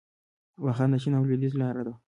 واخان د چین او لویدیځ لاره وه